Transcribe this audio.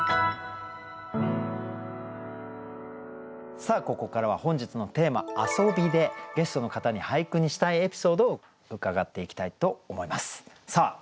さあここからは本日のテーマ「遊び」でゲストの方に俳句にしたいエピソードを伺っていきたいと思います。